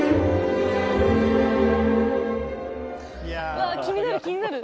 うわ気になる気になる。